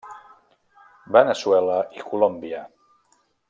Veneçuela i Colòmbia.